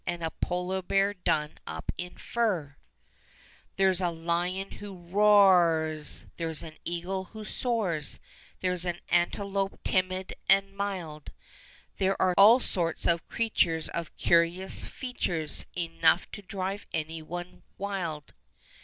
And a polar hear done up in fur. THE CIRCUS. 185 There's a lion who roar r r~rs ; there's an eagle who soars ; There's an antelope timid and mild ; There are all sorts of creatures of curious features^, Enough to drive any one wild."